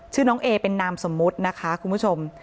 ชื่อน้องเอเป็นนามสมมุตินะคะคุณผู้ชม